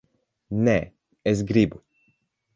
Nē, es gribu.